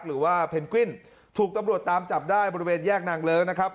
หรือว่าเพนกวินถูกตำรวจตามจับได้บริเวณแยกนางเลิ้งนะครับ